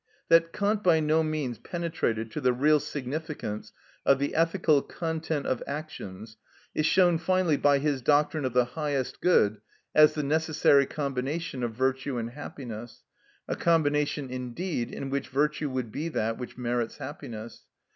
That Kant by no means penetrated to the real significance of the ethical content of actions is shown finally by his doctrine of the highest good as the necessary combination of virtue and happiness, a combination indeed in which virtue would be that which merits happiness.